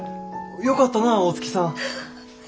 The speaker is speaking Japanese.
よかったな大月さん。